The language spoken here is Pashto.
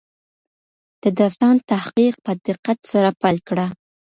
د داستان تحقیق په دقت سره پیل کړه.